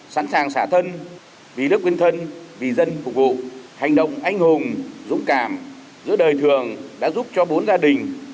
sẵn sàng xả thân vì đức quyên thân vì dân phục vụ hành động anh hùng dũng cảm giữa đời thường đã giúp cho bốn gia đình